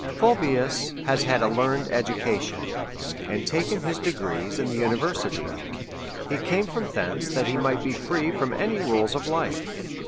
Fulvius has had a learned education, and taken his degrees in the university ; he came from thence that he might be free from any rules of life.